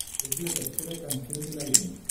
Es la tercera canción del álbum.